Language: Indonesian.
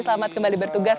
selamat kembali bertugas